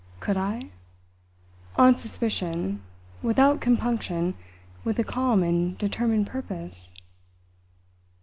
Could I? On suspicion, without compunction, with a calm and determined purpose?